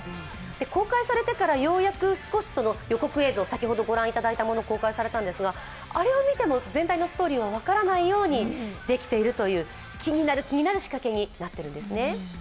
公開されてからようやく少し予告映像、公開されたんですがあれを見ても全体のストーリーは分からないようにできているという、気になる、気になる仕掛けになってるんですね。